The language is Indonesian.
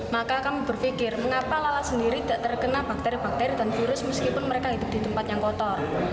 maka kami berpikir mengapa lalat sendiri tidak terkena bakteri bakteri dan virus meskipun mereka hidup di tempat yang kotor